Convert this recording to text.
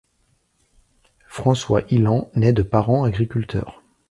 François Illand naît de parents agriculteurs.